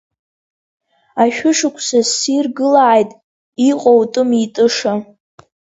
Ашәышықәса ссир гылааит, Иҟоу тым-итыша!